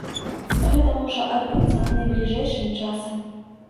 Гэта можа адбыцца найбліжэйшым часам.